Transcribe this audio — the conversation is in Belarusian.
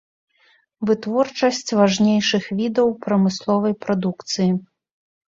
Вытворчасць важнейшых відаў прамысловай прадукцыі.